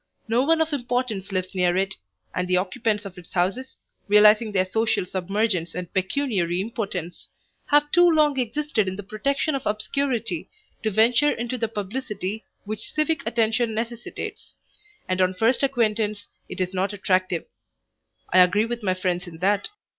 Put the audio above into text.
No one of importance lives near it, and the occupants of its houses, realizing their social submergence and pecuniary impotence, have too long existed in the protection of obscurity to venture into the publicity which civic attention necessitates, and on first acquaintance it is not attractive. I agree with my friends in that.